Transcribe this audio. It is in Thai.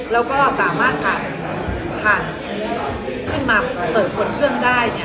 และก็สามารถหาขึ้นมาเฟาะฟ้นเครื่องได้